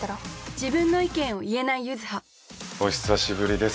自分の意見を言えないユズハお久しぶりです